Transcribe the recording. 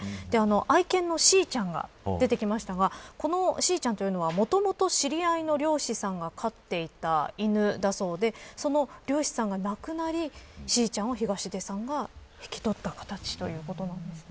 愛犬のしーちゃんが出てきましたがこのしーちゃんというのはもともと知り合いの猟師さんが飼っていた犬だそうでその猟師さんが亡くなりしーちゃんを東出さんが引き取った形ということなんですね。